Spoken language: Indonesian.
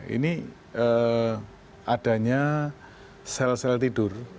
ini adanya sel sel tidur